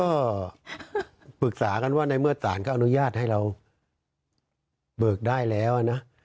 ก็ปรึกษากันว่าในเมื่อสารก็อนุญาตให้เราเบิกได้แล้วนะ